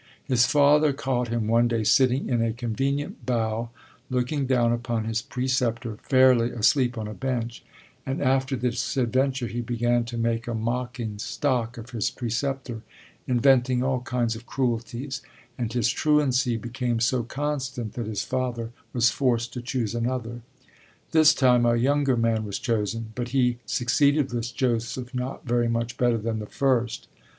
His father caught him one day sitting in a convenient bough, looking down upon his preceptor fairly asleep on a bench; and after this adventure he began to make a mocking stock of his preceptor, inventing all kinds of cruelties, and his truancy became so constant that his father was forced to choose another. This time a younger man was chosen, but he succeeded with Joseph not very much better than the first.